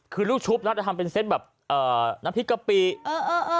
คือลูกชุบนะจะทำเป็นเส้นแบบเอ่อน้ำพริกกะปิเออเออ